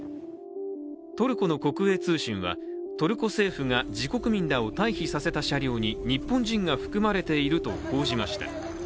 トルコの国営通信はトルコ政府が自国民らを退避させた車両に日本人が含まれていると報じました。